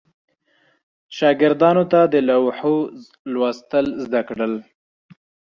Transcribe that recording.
شاګردانو ته د لوحو لوستل زده کړل.